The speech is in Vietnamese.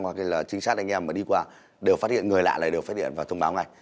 hoặc là chính sách anh em mà đi qua đều phát hiện người lạ này đều phát hiện và thông báo ngay